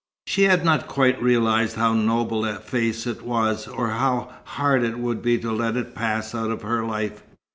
She had not quite realized how noble a face it was, or how hard it would be to let it pass out of her life.